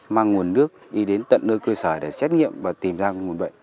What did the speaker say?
mang nguồn nước đi đến tận nơi cơ sở để xét nghiệm và tìm ra nguồn bệnh